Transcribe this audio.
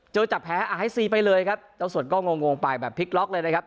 จับแพ้อาให้ซีไปเลยครับเจ้าส่วนก็งงไปแบบพลิกล็อกเลยนะครับ